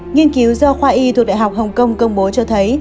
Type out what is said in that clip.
nghiên cứu do khoa y thuộc đại học hồng kông công bố cho thấy